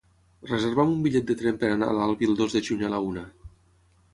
Reserva'm un bitllet de tren per anar a l'Albi el dos de juny a la una.